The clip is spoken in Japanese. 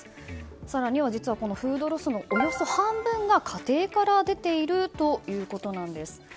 更には実はフードロスのおよそ半分が家庭から出ているということなんです。